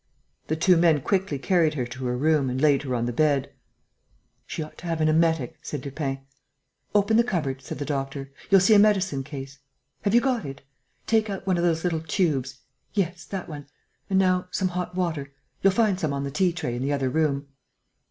The two men quickly carried her to her room and laid her on the bed: "She ought to have an emetic," said Lupin. "Open the cupboard," said the doctor. "You'll see a medicine case.... Have you got it?... Take out one of those little tubes.... Yes, that one.... And now some hot water.... You'll find some on the tea tray in the other room."